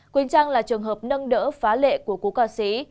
quỳnh trang là trường hợp nâng đỡ phá lệ của cú ca sĩ